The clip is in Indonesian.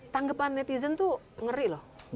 tanggapan netizen tuh ngeri loh